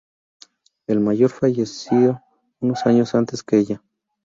El mayor falleció unos años antes que ella.